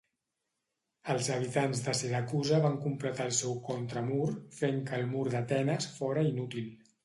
Els habitants de Siracusa van completar el seu contramur, fent que el mur d'Atenes fora inútil.